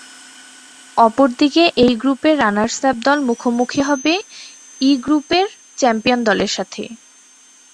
অপরদিকে এই গ্রুপের রানার্স-আপ দল মুখোমুখি হবে ই গ্রুপের চ্যাম্পিয়ন দলের সাথে।